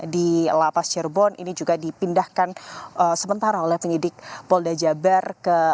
di lapas cirebon ini juga dipindahkan sementara oleh penyidik polda jabar ke